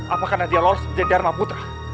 apakah dia lulus menjadi dharma putra